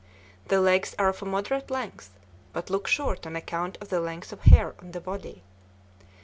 The legs are of a moderate length, but look short on account of the length of hair on the body.